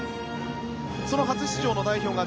その初出場の代表